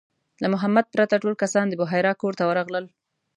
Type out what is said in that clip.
له محمد پرته ټول کسان د بحیرا کور ته ورغلل.